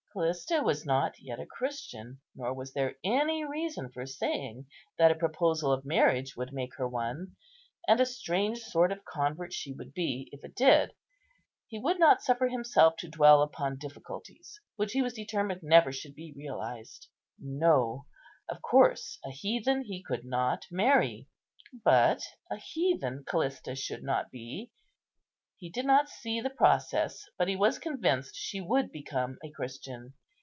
Callista was not yet a Christian, nor was there any reason for saying that a proposal of marriage would make her one; and a strange sort of convert she would be, if it did. He would not suffer himself to dwell upon difficulties which he was determined never should be realized. No; of course a heathen he could not marry, but a heathen Callista should not be. He did not see the process, but he was convinced she would become a Christian.